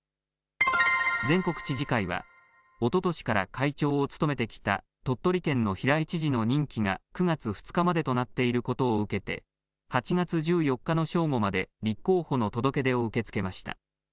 全国知事会はおととしから会長を務めてきた鳥取県の平井知事の任期が９月２日までとなっていることを受けて、８月１４日の正午まで立候補の届け出を受け付けました。